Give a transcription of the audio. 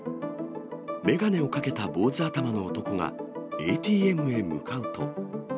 眼鏡をかけた坊主頭の男が、ＡＴＭに向かうと。